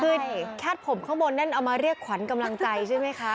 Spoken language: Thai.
คือคาดผมข้างบนนั่นเอามาเรียกขวัญกำลังใจใช่ไหมคะ